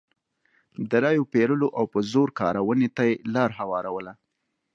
د رایو پېرلو او په زور کارونې ته یې لار هواروله.